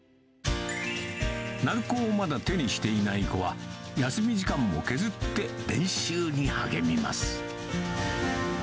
鳴子をまだ手にしていない子は、休み時間を削って練習に励みます。